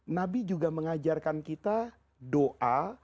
nabi juga mengajarkan kita doa